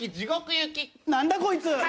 何だ⁉こいつ！